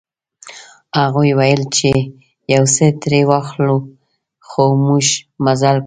هغوی ویل چې یو څه ترې واخلو خو موږ مزل کاوه.